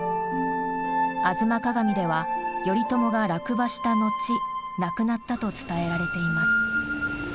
「吾妻鏡」では頼朝が落馬した後亡くなったと伝えられています。